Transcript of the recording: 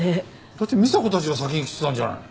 だって美沙子たちが先に来てたんじゃない。